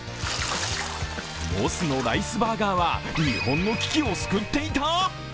モスのライスバーガーは日本の危機を救っていた？